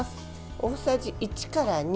大さじ１から２。